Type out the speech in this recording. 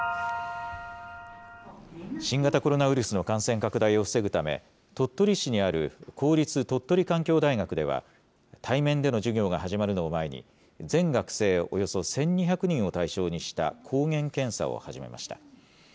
新型コロナウイルスの感染拡大を防ぐため、鳥取市にある公立鳥取環境大学では、対面での授業が始まるのを前に、全学生およそ１２００人を対象にした抗原検査を始めました。